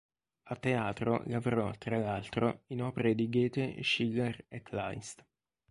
A teatro, lavorò, tra l'altro, in opere di Goethe, Schiller e Kleist.